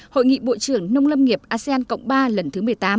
hội nghị bộ trưởng nông lâm nghiệp asean cộng ba lần thứ một mươi tám